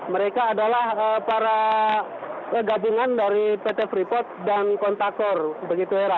mereka adalah para gabungan dari pt freeport dan kontakor begitu hera